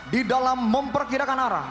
di dalam memperkirakan arah